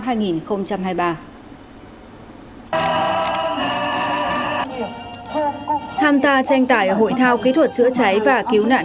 tham gia tranh tải hội thao kỹ thuật chữa cháy và cứu nạn